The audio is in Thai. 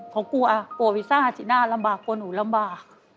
ขอปล่อยปรึกษาจีน่าลำบากกลัวหนูลำบาก